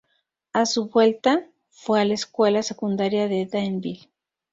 A su vuelta, fue a la escuela secundaria de Danville.